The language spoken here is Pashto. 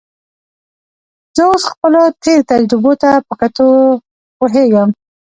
زه اوس خپلو تېرو تجربو ته په کتو پوهېږم.